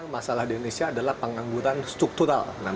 masalah di indonesia adalah pengangguran struktural